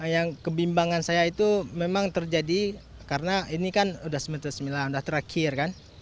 yang kebimbangan saya itu memang terjadi karena ini kan udah semeta sembilan udah terakhir kan